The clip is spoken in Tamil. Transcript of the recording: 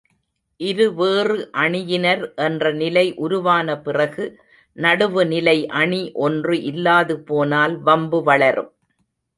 இருவேறு அணியினர் என்ற நிலை உருவான பிறகு, நடுவுநிலை அணி ஒன்று இல்லாது போனால் வம்பு வளரும்.